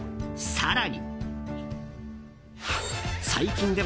更に。